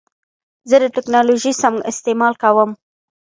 زه د ټکنالوژۍ سم استعمال کوم.